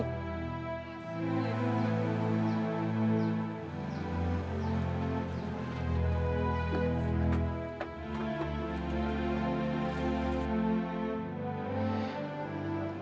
romana keliatannya berusaha menghindar dari aku ya